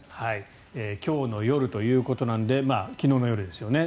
今日の夜ということなので昨日の夜ですよね。